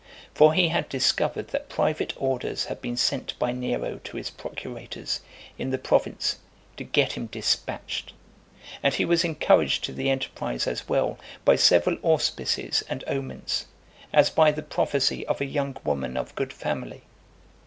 For he had discovered that private orders had been sent by Nero to his procurators in the province to get (407) him dispatched; and he was encouraged to the enterprise, as well by several auspices and omens, as by the prophecy of a young woman of good, family.